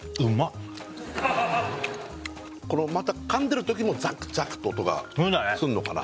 このまた噛んでるときもザクザクって音がすんのかな？